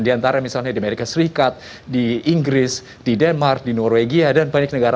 di antara misalnya di amerika serikat di inggris di denmark di norwegia